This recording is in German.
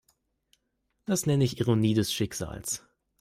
Das nenne ich Ironie des Schicksals.